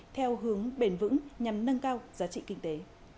theo hướng bền vững nhằm nâng cao giá trị kinh tế